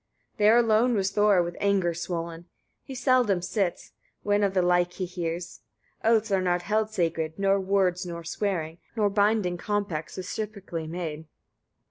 30. There alone was Thor with anger swollen. He seldom sits, when of the like he hears. Oaths are not held sacred; nor words, nor swearing, nor binding compacts reciprocally made.